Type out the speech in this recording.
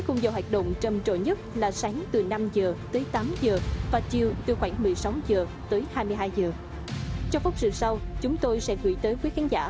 trong khi nhận đối với những trường hợp có từ năm khách trở xuống và ít hành lý